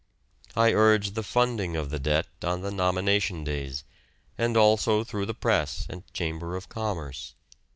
I urged the funding of the debt on the nomination days, and also through the press and Chamber of Commerce.